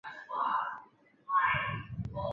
阿夫里耶莱蓬索人口变化图示